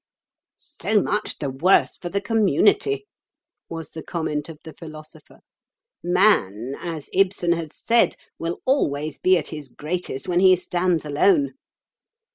"So much the worse for the community," was the comment of the Philosopher. "Man, as Ibsen has said, will always be at his greatest when he stands alone.